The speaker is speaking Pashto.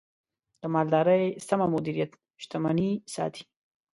د مالدارۍ سمه مدیریت، شتمني ساتي.